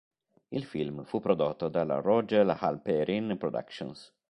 Il film fu prodotto dalla Rogell-Halperin Productions.